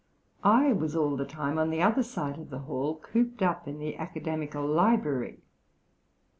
I was all the time on the other side of the hall cooped up in the Academical Library.